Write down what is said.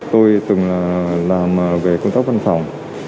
tôi từng làm về công tác văn phòng